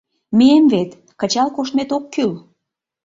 Мием вет, кычал коштмет ок кӱл.